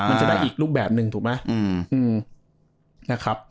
มันจะได้อีกรูปแบบหนึ่งถูกไหม